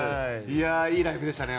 いいライブでしたね。